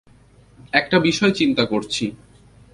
একটা বিষয় চিন্তা করছি।